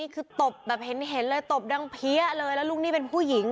คือตบแบบเห็นเลยตบดังเพี้ยเลยแล้วลูกหนี้เป็นผู้หญิง